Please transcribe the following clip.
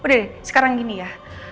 deh sekarang gini ya